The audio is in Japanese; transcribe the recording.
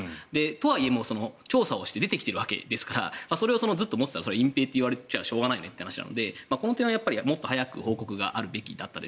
とはいえ、調査をして出てきてるわけですからそれをずっと持っていたら隠ぺいと言われちゃうのはしょうがないという話なのでこの点は、もっと早く報告があるべきだったと。